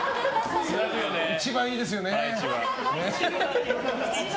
一番いいですよね。